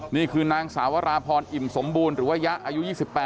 นี่คือนางสาวราพรอิ่มสมบูรณ์หรือว่ายะอายุ๒๘